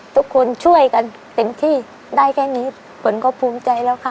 ทุกคนช่วยกันเต็มที่ได้แค่นี้ฝนก็ภูมิใจแล้วค่ะ